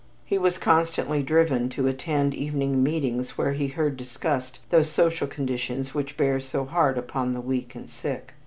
He was constantly driven to attend evening meetings where he heard discussed those social conditions which bear so hard upon the weak and sick.